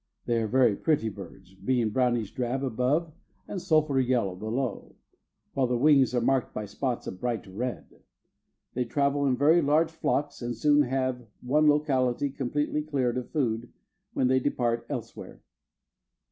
They are very pretty birds, being brownish drab above and sulphur yellow below, while the wings are marked by spots of bright red. They travel in very large flocks and soon have one locality completely cleared of food, when they depart elsewhere.